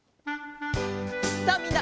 さあみんな！